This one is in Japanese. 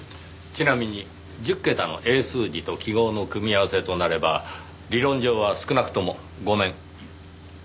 ちなみに１０桁の英数字と記号の組み合わせとなれば理論上は少なくとも５年。